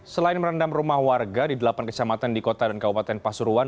selain merendam rumah warga di delapan kecamatan di kota dan kabupaten pasuruan